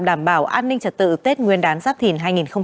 đảm bảo an ninh trật tự tết nguyên đán giáp thìn hai nghìn hai mươi bốn